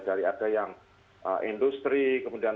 dari ada yang industri kemudian sektor perusahaan